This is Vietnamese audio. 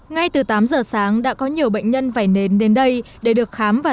ngay từ tám giờ sáng đã có nhiều bệnh nhân vẩy nến đến đây để được khám và